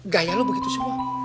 gaya lo begitu semua